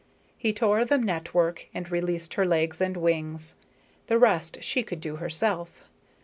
He tore the network and released her legs and wings. The rest she could do herself.